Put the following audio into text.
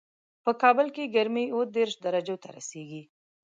په کابل کې ګرمي اووه دېش درجو ته رسېږي